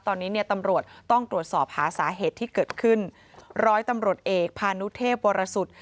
ตอนนี้เนี่ยตำรวจต้องตรวจสอบหาสาเหตุที่เกิดขึ้นร้อยตำรวจเอกพานุเทพวรสุทธิ์